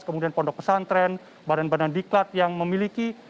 kemudian pondok pesantren badan badan diklat yang memiliki